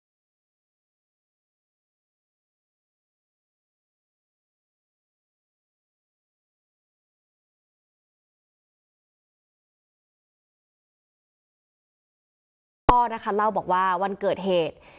นะครับตัวนะคะเราบอกว่าวันเกิดเหตุ